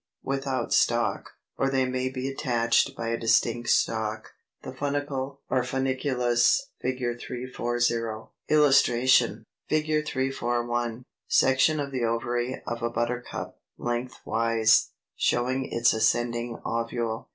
without stalk, or they may be attached by a distinct stalk, the FUNICLE or FUNICULUS (Fig. 340). [Illustration: Fig. 341. Section of the ovary of a Buttercup, lengthwise, showing its ascending ovule.